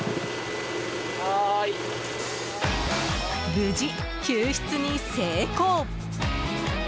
無事、救出に成功！